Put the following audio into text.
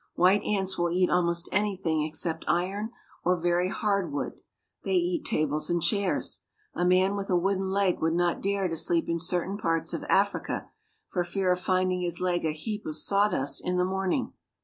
White ants will eat almost anything except iron or very hard wood. They eat tables and chairs. A man with a wooden leg would not dare to sleep in certain parts of Africa for fear of finding his leg a heap of sawdust in the morning.